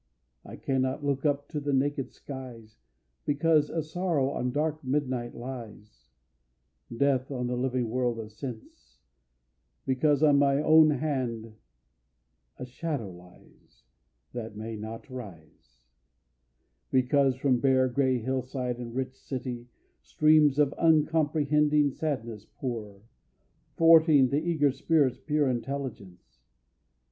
I cannot look up to the naked skies Because a sorrow on dark midnight lies, Death, on the living world of sense; Because on my own land a shadow lies That may not rise; Because from bare grey hillside and rich city Streams of uncomprehending sadness pour, Thwarting the eager spirit's pure intelligence...